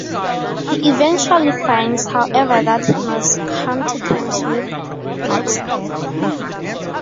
He eventually finds, however, that he must come to terms with Mark's death.